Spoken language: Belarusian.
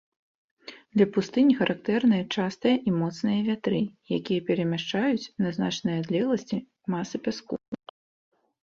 Для пустыні характэрныя частыя і моцныя вятры, якія перамяшчаюць на значныя адлегласці масы пяску.